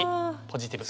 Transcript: ポジティブ。